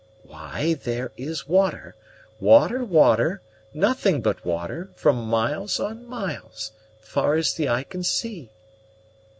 "Why, there is water water water nothing but water, for miles on miles far as the eye can see."